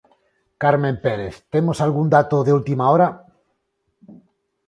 Carmen Pérez temos algún dato de última hora?